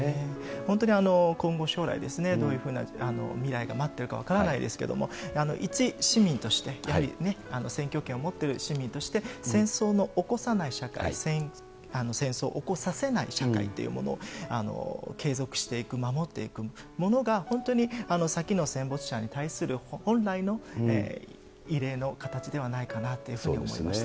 本当に今後将来、どういうふうな未来が待ってるか分からないですけれども、一市民としてやはり選挙権を持ってる市民として、戦争の起こさない社会、戦争を起こさせない社会というものを継続していく、守っていくものが、本当に先の戦没者に対する本来の慰霊の形ではないかなというふうに思いました。